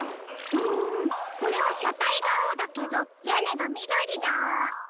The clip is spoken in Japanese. うんこれはしゃたいがあおだけどやねがみどりだ。